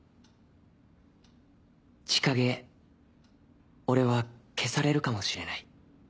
「千景へ俺は消されるかもしれない。